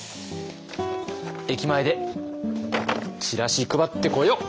駅前でチラシ配ってこよう。